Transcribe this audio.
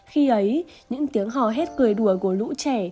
khi ấy những tiếng hò hết cười đùa của lũ trẻ